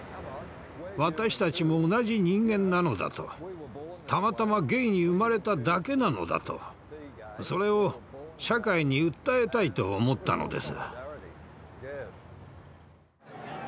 私たちも同じ人間なのだとたまたまゲイに生まれただけなのだとそれを社会に訴えたいと思ったのです。